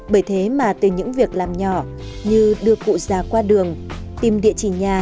bởi thế mà từ những việc làm nhỏ như đưa cụ già qua đường tìm địa chỉ nhà